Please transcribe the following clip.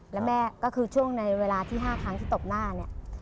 แล้วแม่ก็คือช่วงในเวลาที่๕ครั้งที่ตบหน้าเนี่ย